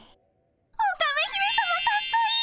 オカメ姫さまかっこいい！